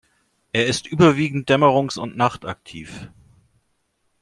Er ist überwiegend dämmerungs- und nachtaktiv.